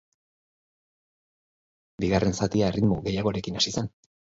Bigarren zatia erritmo gehiagorekin hasi zen.